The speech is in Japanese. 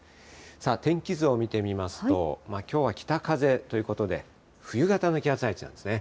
天気図を見てみますと、きょうは北風ということで、冬型の気圧配置なんですね。